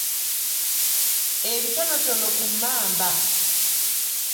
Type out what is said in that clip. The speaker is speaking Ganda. Ebitonotono ku mmamba.